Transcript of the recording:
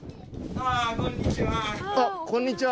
あっこんにちは。